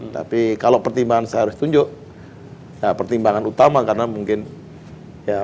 tapi kalau pertimbangan saya harus tunjuk pertimbangan utama karena mungkin ya